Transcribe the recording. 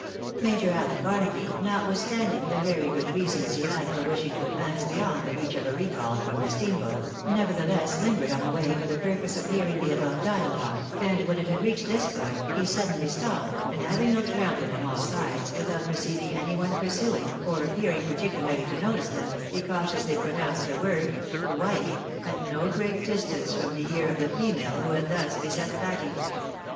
" Major Allen Barnaby, notwithstanding the very good reasons he Had for wishing to advance beyond the reach of a recall from the steamboat, nevertheless hngered on the way for the purpose of hearing the above dialogue, and when it had reached this point, he suddenly stopped, and having looked round him on all sides without perceiving any one pursuing, or appearing particularly to notice them, he cautiously pronounced the word " Wife !" at no great distance from the ear of the female who had thus beset Patty.